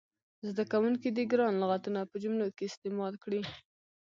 زده کوونکي دې ګران لغتونه په جملو کې استعمال کړي.